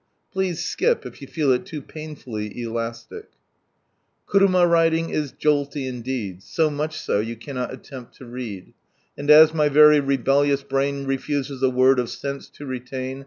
Please skip, if yovt fee! it loo painfully elastic, Kumma tiding is jolly indeed, so much so, you cannot attempt (o read. And as my very rebellious brain refuses a word of sense to retain.